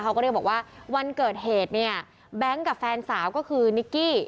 เขาก็เรียกบอกว่าวันเกิดเหตุเนี่ยแบงค์กับแฟนสาวก็คือนิกกี้